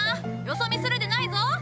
よそ見するでないぞ！